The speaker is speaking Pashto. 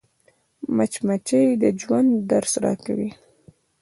مچمچۍ د ژوند درس راکوي